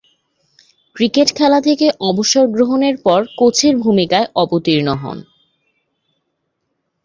Cricket খেলা থেকে অবসর গ্রহণের পর কোচের ভূমিকায় অবতীর্ণ হন।